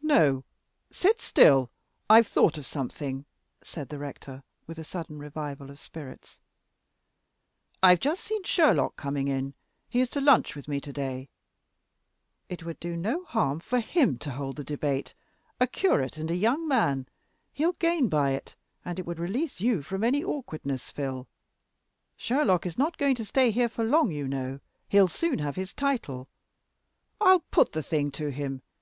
"No, sit still; I've thought of something," said the rector, with a sudden revival of spirits. "I've just seen Sherlock coming in. He is to lunch with me to day. It would do no harm for him to hold the debate a curate and a young man he'll gain by it; and it would release you from any awkwardness, Phil. Sherlock is not going to stay here long, you know; he'll soon have his title. I'll put the thing to him.